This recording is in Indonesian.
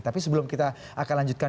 tapi sebelum kita akan lanjutkan